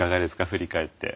振り返って。